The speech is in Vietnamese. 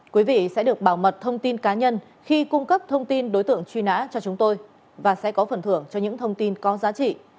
quý vị sẽ được bảo mật thông tin cá nhân khi cung cấp thông tin đối tượng truy nã cho chúng tôi và sẽ có phần thưởng cho những thông tin có giá trị